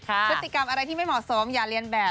พฤติกรรมอะไรที่ไม่เหมาะสมอย่าเรียนแบบ